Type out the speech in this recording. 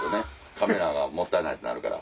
カメラもったいないってなるから。